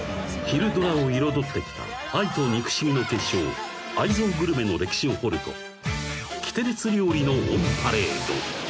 ［昼ドラを彩ってきた愛と憎しみの結晶愛憎グルメの歴史を掘るときてれつ料理のオンパレード］